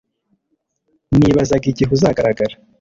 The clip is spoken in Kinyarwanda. Nibazaga igihe uzagaragara